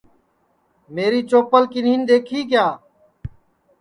میری چوپل کینین دؔیکھی کیا